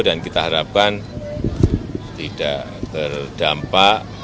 dan kita harapkan tidak terdampak